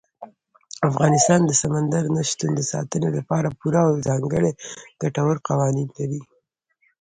افغانستان د سمندر نه شتون د ساتنې لپاره پوره او ځانګړي ګټور قوانین لري.